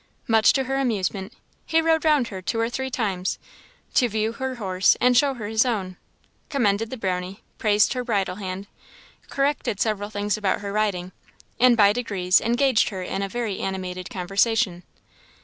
Much to her amusement, he rode round her two or three times, to view her horse and show her his own; commended the Brownie; praised her bridle hand; corrected several things about her riding; and by degrees engaged her in a very animated conversation.